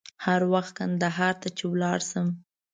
هر وخت کندهار ته چې ولاړ شم.